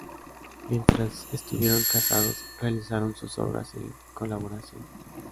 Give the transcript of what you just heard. Mientras estuvieron casados realizaron sus obras en colaboración.